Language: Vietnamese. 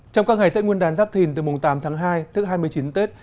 trong các ngày tết nguyên đàn giáp thìn từ mùng tám tháng hai thức hai mươi chín tết